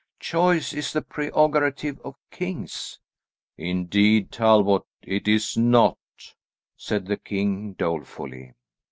Choice is the prerogative of kings." "Indeed, Talbot, it is not," said the king dolefully.